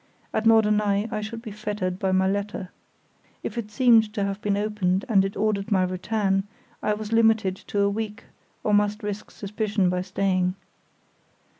At Norderney I should be fettered by my letter. If it seemed to have been opened and it ordered my return, I was limited to a week, or must risk suspicion by staying.